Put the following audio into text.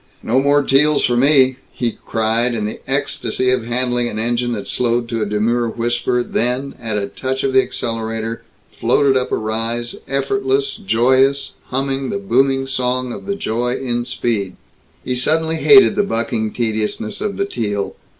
"No more Teals for me," he cried, in the ecstasy of handling an engine that slowed to a demure whisper, then, at a touch of the accelerator, floated up a rise, effortless, joyous, humming the booming song of the joy in speed. He suddenly hated the bucking tediousness of the Teal.